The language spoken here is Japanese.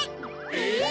えっ？